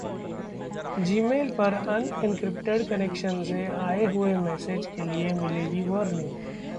Gmail पर unencrypted connection से आए हुए मैसेज के लिए मिलेगी वॉर्निंग!